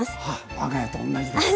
我が家と同じです。